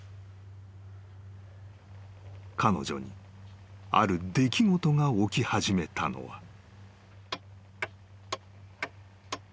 ［彼女にある出来事が起き始めたのは］